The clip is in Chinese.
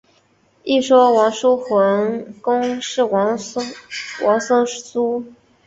一说王叔桓公即是王孙苏。